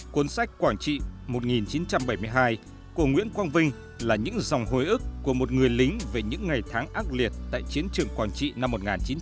cuốn sách quảng trị một nghìn chín trăm bảy mươi hai của nguyễn quang vinh là những dòng hồi ức của một người lính về những ngày tháng ác liệt tại chiến trường quảng trị năm một nghìn chín trăm bảy mươi